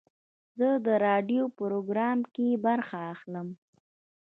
زه د راډیو پروګرام کې برخه اخلم.